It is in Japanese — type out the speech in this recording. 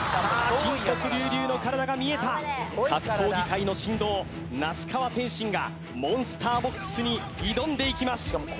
筋骨隆々の体が見えた格闘技界の神童那須川天心がモンスターボックスに挑んでいきます